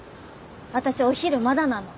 私お昼まだなの。